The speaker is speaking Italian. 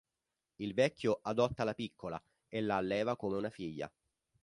Il vecchio adotta la piccola e la alleva come una figlia.